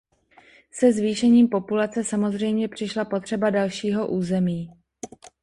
Se zvýšením populace samozřejmě přišla potřeba dalšího území.